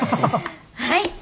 はい。